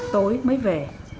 tối mới về